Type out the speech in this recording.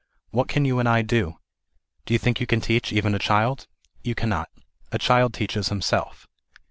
What can you and I do ? Do you think you can teach even a child ? You cannot. A child teaches himself.